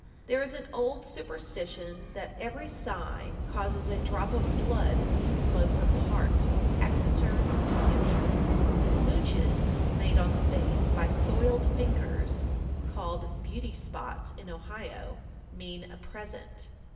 There is an old superstition that every sigh causes a drop of blood to flaw from the heart. Exeter, N.H. 1374. "Smooches" made on the face by soiled fingers (called beauty spots in Ohio) mean a present.